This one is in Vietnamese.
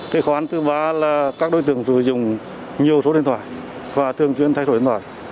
khó khăn thứ ba là các đối tượng sử dụng nhiều số điện thoại và thường chuyên thay đổi điện thoại